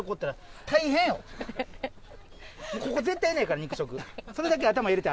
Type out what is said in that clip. ここ絶対いないから肉食。